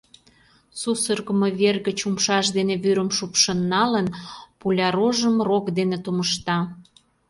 Сусыргымо вер гыч умшаж дене вӱрым шупшын налын, пуля рожым рок дене тумышта...